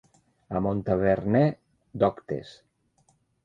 A Montaverner, doctes.